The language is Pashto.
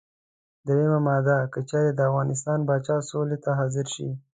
دریمه ماده: که چېرې د افغانستان پاچا سولې ته حاضر شي.